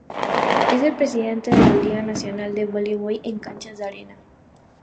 Es el Presidente de la Liga Nacional de Voleibol en Canchas de Arena.